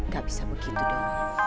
gak bisa begitu dong